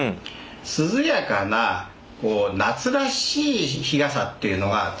涼やかな夏らしい日傘っていうのが作れないもんかなと。